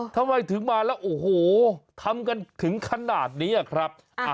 ทำไมถึงมาแล้วโอ้โหทำกันถึงขนาดนี้ครับ